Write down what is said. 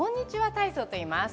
体操といいます。